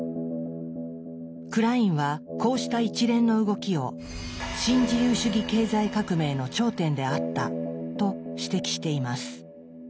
クラインはこうした一連の動きを「新自由主義経済革命の頂点であった」と指摘しています。